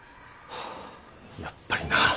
やっぱりな。